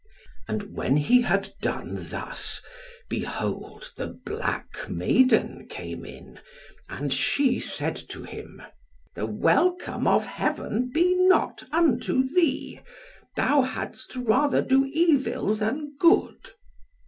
And when he had done thus, behold the black maiden came in, and she said to him, "The welcome of Heaven be not unto thee. Thou hadst rather do evil than good."